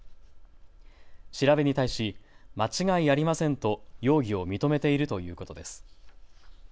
調べに対し間違いありませんと容疑を認めているということです。